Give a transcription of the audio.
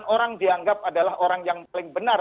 orang dianggap adalah orang yang paling benar